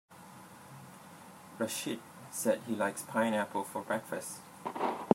Rachid said he likes pineapple for breakfast.